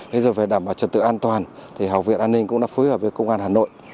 bây giờ phải đảm bảo trật tự an toàn thì học viện an ninh cũng đã phối hợp với công an hà nội